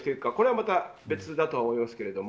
これは、また別だと思います。